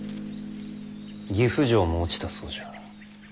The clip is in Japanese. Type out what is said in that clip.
岐阜城も落ちたそうじゃ。